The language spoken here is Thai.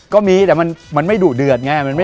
ก็มีแต่มันไม่ดุเดือดไง